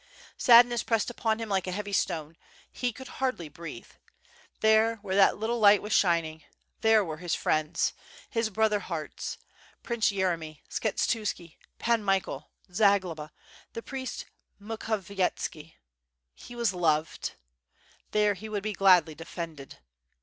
Sadness pressed upon him like a heavy stone, he could hardly breathe. There where that little light was shining, there were his friends, his brother hearts, Prince Yeremy, Skshetuski, Pan Michael, Zagloba, the priest Mukhovietski — he was loved, there he would be gladly defended.